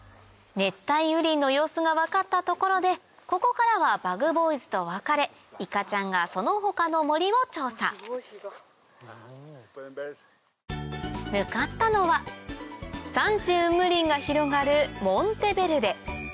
熱帯雨林の様子が分かった所でここからはＢｕｇＢｏｙｓと別れいかちゃんがその他の森を調査向かったのは山地雲霧林が広がる